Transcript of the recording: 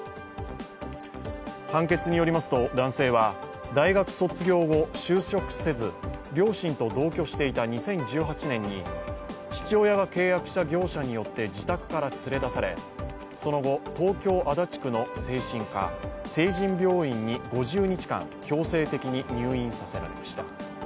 判決によりますと、男性は大学卒業後、就職せず、両親と同居していた２０１８年に父親が契約した業者によって自宅から連れ出され、その後、東京・足立区の精神科、成仁病院に５０日間、強制的に入院させられました。